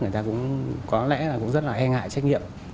người ta cũng có lẽ rất là e ngại trách nhiệm